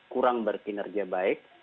kurang berkinerja baik